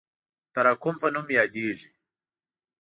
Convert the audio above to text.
د تراکم په نوم یادیږي.